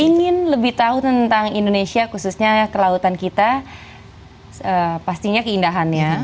ingin lebih tahu tentang indonesia khususnya kelautan kita pastinya keindahannya